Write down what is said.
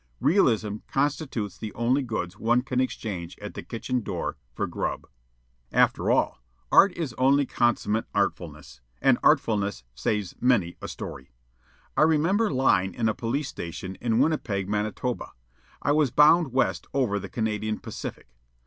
Realism constitutes the only goods one can exchange at the kitchen door for grub. After all, art is only consummate artfulness, and artfulness saves many a "story." I remember lying in a police station at Winnipeg, Manitoba. I was bound west over the Canadian Pacific.